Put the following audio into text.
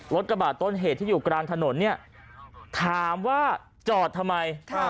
กระบาดต้นเหตุที่อยู่กลางถนนเนี่ยถามว่าจอดทำไม